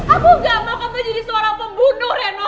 aku gak mau kamu jadi seorang pembunuh reno